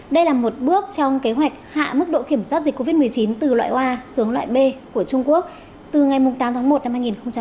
đây là một bước trong kế hoạch hạ mức độ kiểm soát dịch covid một mươi chín từ loại a xuống loại b của trung quốc từ ngày tám tháng một năm hai nghìn hai mươi